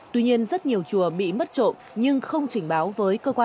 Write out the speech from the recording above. tuy nhiên rất nhiều người đã đánh giá trị tiền của nhà chùa